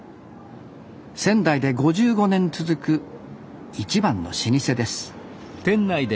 仙台で５５年続く一番の老舗です